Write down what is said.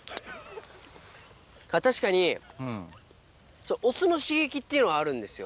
確かにお酢の刺激っていうのはあるんですよ。